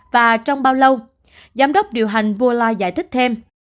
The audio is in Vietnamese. và trong bao lâu giám đốc điều hành bourla giải thích thêm